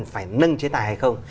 phải nâng chế tài hay không